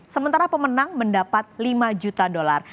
sementara pemenang mendapat lima juta dolar